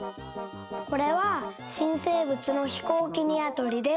これはしんせいぶつの「ひこうきにわとり」です。